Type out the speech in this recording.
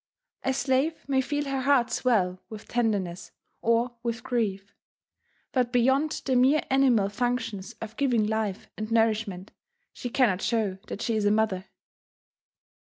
A slave may feel her heart swell with tenderness or with grief; but beyond the mere animal functions of giving life and nourish ment, she cannot show that she is a mother.